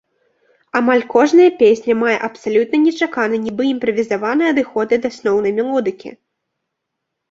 Амаль кожная песня мае абсалютна нечаканы нібы імправізаваны адыход ад асноўнай мелодыкі.